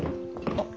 あっ。